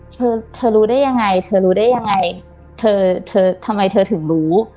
เธอเธอรู้ได้ยังไงเธอรู้ได้ยังไงเธอเธอทำไมเธอถึงรู้